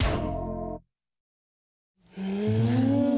うん。